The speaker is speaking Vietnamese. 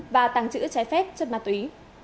và tăng trữ trái phép chất ma túy